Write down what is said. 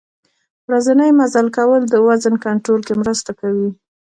ورځنی مزل کول د وزن کنترول کې مرسته کوي.